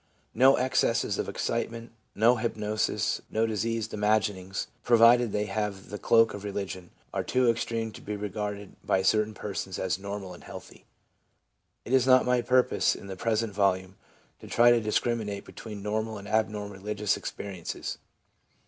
No ex cesses of excitement, no hypnosis, no diseased imagin ings, provided they have the cloak of religion, are too extreme to be regarded by certain persons as normal and healthy. It is not my purpose, in the present volume, to try to discriminate between normal and abnormal religious experiences.